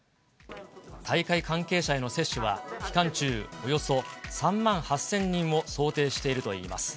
大会関係者への接種は期間中およそ３万８０００人を想定しているといいます。